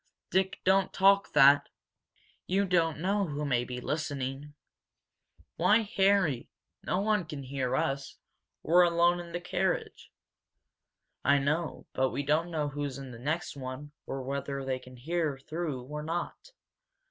"Dick, don't talk that! You don't know who may be listening!" "Why, Harry! No one can hear us we're alone in the carriage!" "I know, but we don't know who's in the next one or whether they can hear through or not.